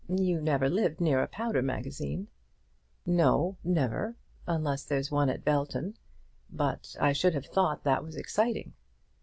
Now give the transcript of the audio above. You never lived near a powder magazine." "No, never; unless there's one at Belton. But I should have thought that was exciting."